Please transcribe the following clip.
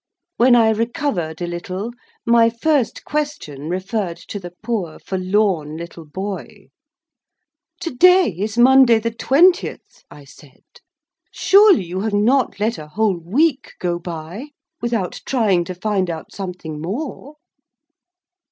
When I recovered a little, my first question referred to the poor forlorn little boy. "To day is Monday the twentieth," I said. "Surely you have not let a whole week go by without trying to find out something more?"